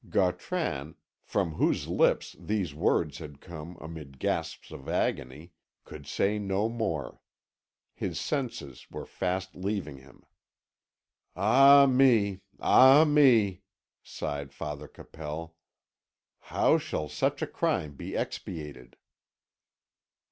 Gautran, from whose lips these words had come amid gasps of agony, could say no more; his senses were fast leaving him. "Ah me ah me!" sighed Father Capel; "how shall such a crime be expiated?"